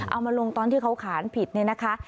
เอามาลงตอนที่เขาขานผิดเนี่ยนะคะ